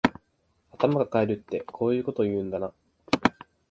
頭かかえるってこういうこと言うんだな